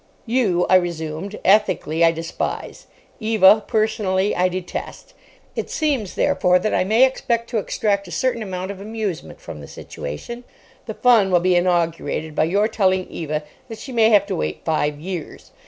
"You," I resumed, "ethically, I despise. Eva, personally, I detest. It seems, therefore, that I may expect to extract a certain amount of amusement from the situation. The fun will be inaugurated by your telling Eva that she may have to wait five years.